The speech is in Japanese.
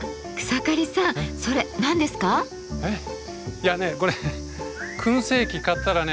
いやねこれ燻製器買ったらね